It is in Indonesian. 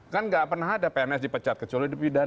kan enggak pernah ada pns dipecat kecuali di bidana kan